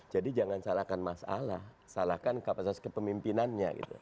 jadi jangan salahkan masalah salahkan kapasitas kepemimpinannya